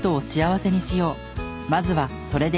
まずはそれでいい。